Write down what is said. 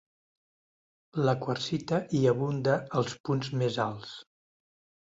La quarsita hi abunda als punts més alts.